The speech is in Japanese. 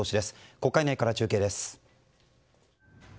国会内から中継です。